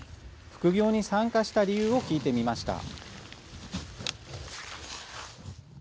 副業に参加した理由を聞いてみました。